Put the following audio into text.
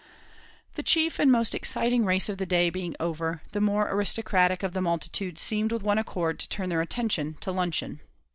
The chief and most exciting race of the day being over, the more aristocratic of the multitude seemed with one accord to turn their attention to luncheon.